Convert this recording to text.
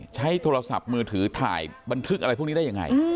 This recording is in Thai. ใช้โทรศัพท์มือถือถ่ายบันทึกอะไรพวกนี้ได้ยังไง